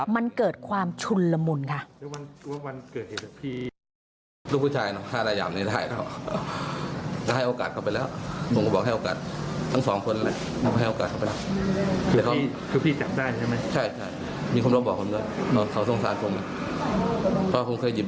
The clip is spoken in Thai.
มันเกิดความชุนละมุนค่ะ